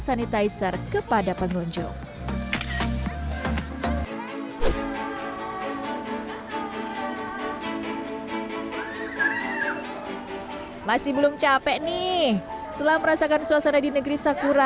kata terempat selamat berjalan kayak gitu